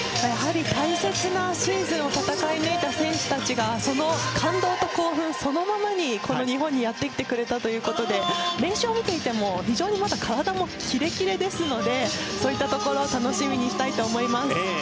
やはり大切なシーズンを戦い抜いた選手たちがその感動と興奮そのままに、日本にやってきてくれたということで練習を見ていても非常にまだ体もキレキレですので、そういったところを楽しみにしたいと思います。